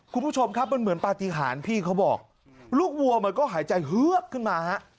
คุณผู้ชมครับมันเหมือนปฏิหารพี่เขาบอกลูกวัวมันก็หายใจเฮือกขึ้นมาฮะ